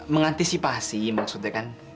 mengantisipasi maksudnya kan